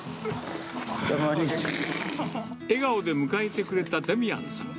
どうも、笑顔で迎えてくれたデミアンさん。